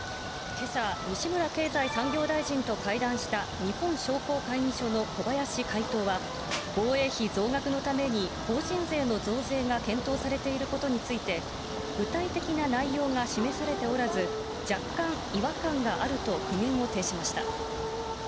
けさ、西村経済産業大臣と会談した日本商工会議所の小林会頭は、防衛費増額のために法人税の増税が検討されていることについて、具体的な内容が示されておらず、若干、違和感があると苦言を呈しました。